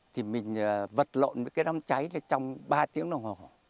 thì mình vật lộn với cái đám cháy là trong ba tiếng đồng hồ